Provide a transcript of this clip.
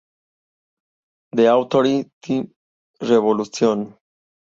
The Authority: Revolution.